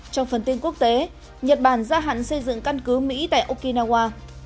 trong phần tin quốc tế nhật bản gia hạn xây dựng căn cứ mỹ tại okinawa